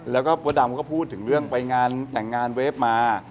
แล้วก็มดดำก็พูดถึงเรื่องไปงานแต่งงานเวฟมา